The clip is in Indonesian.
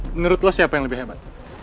menurut lo siapa yang lebih hebat